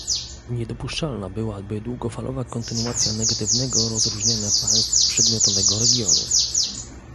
Niedopuszczalna byłaby długofalowa kontynuacja negatywnego rozróżniania państw przedmiotowego regionu